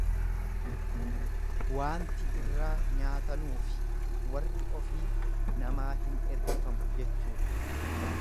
Waanti irraa nyaatanuufi warri ofii namaa hin ergifamu jechuudha.